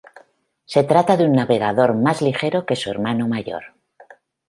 Se trata de un navegador más ligero que su hermano mayor.